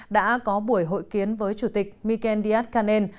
đã có buổi hội kiến với chủ tịch mikel díaz canel